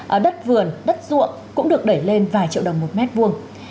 ở đất vườn đất ruộng cũng được đẩy lên vài triệu đồng một mét vuông